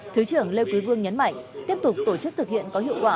thứ trưởng lê quý vương nhấn mạnh tiếp tục tổ chức thực hiện có hiệu quả